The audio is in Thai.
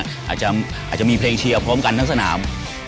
อาจจะมีเพลงเชียร์พร้อมกันทั้งสนาม